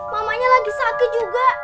mamanya lagi sakit juga